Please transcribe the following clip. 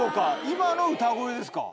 今の歌声ですか？